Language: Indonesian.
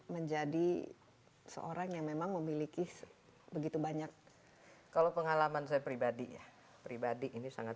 menjadi seorang yang memang memiliki begitu banyak kalau pengalaman saya pribadi ya pribadi ini sangat